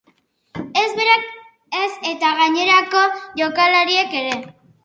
Ez berak ez eta gainerako jokalariek ere.